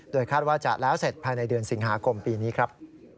คาดว่าจะแล้วเสร็จภายในเดือนสิงหาคมปีนี้ครับ